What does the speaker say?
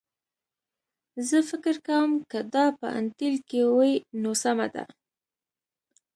زه فکر کوم که دا په انټیل کې وي نو سمه ده